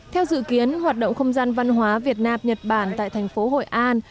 theo dự kiến hoạt động không gian văn hóa việt nam nhật bản tại thành phố hội an